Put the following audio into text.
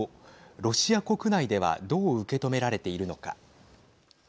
ロシア国内ではどう受け止められているのか。